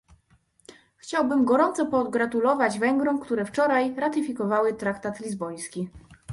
Chciałbym gorąco pogratulować Węgrom, które wczoraj ratyfikowały traktat lizboński